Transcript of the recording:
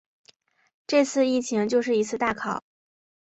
这次疫情就是一次大考